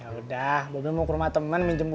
yaudah bobi mau ke rumah temen minjem buku